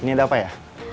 ini ada apa ya